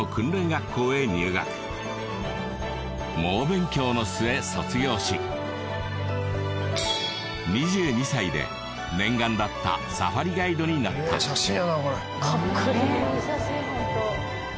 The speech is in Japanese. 学校へ入学猛勉強の末卒業し２２歳で念願だったサファリガイドになったかっこいいいい写真本当